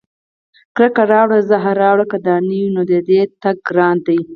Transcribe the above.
کرکه راوړه زهر راوړه که دا نه وي، نو د دې تګ ګران دی